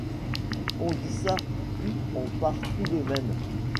On dit ça, puis on part tout de même...